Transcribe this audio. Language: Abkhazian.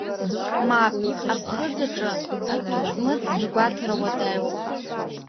Мап, аԥхыӡ аҿы аҭәыцмыц ргәаҭара уадаҩуп.